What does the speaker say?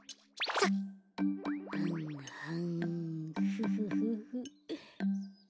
はんはんフフフフ。